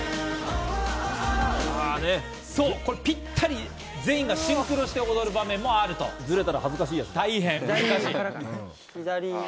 そう、ぴったり全員がシンクロして踊る場面もあると、ずれたら大変！